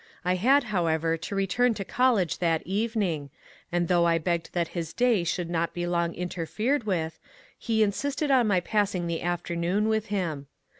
I had, however, to return to college that evening, and though I begged that his day should not be long interfered with, he in sisted on my passing the afternoon with him.